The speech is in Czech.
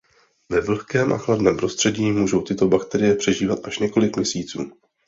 Ve vlhkém a chladném prostředí můžou tyto bakterie přežívat až několik měsíců.